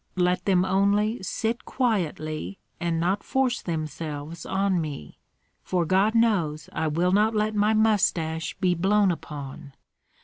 Let them only sit quietly and not force themselves on me; for God knows I will not let my mustache be blown upon.